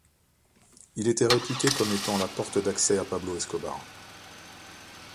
Il était réputé comme étant la porte d’accès à Pablo Escobar.